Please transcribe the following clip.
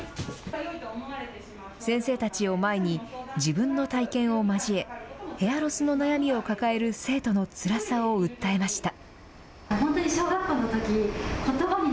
先生たちを前に、自分の体験を交え、ヘアロスの悩みを抱える生徒のつらさを訴えました。